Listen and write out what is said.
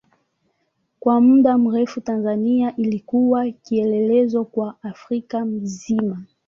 Kwa muda mrefu Tanzania ilikuwa kielelezo kwa Afrika nzima.